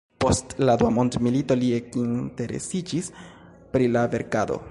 Post la dua mondmilito li ekinteresiĝis pri la verkado.